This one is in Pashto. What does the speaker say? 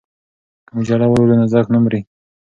که مجله ولولو نو ذوق نه مري.